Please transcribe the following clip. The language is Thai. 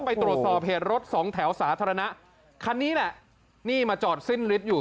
ไปตรวจสอบเหตุรถสองแถวสาธารณะคันนี้แหละนี่มาจอดสิ้นฤทธิ์อยู่